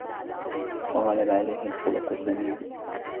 وَغَلَبَ عَلَيْهِ الْخُلُقُ الذَّمِيمِ